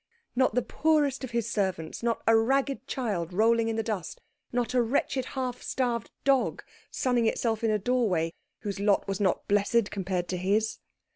Not the poorest of his servants, not a ragged child rolling in the dust, not a wretched, half starved dog sunning itself in a doorway, whose lot was not blessed compared to his.